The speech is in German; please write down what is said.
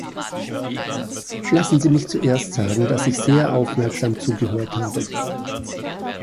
Lassen Sie mich zunächst sagen, dass ich sehr aufmerksam zugehört habe.